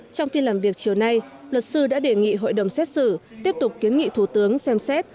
trong phiên làm việc chiều nay luật sư đã đề nghị hội đồng xét xử tiếp tục kiến nghị thủ tướng xem xét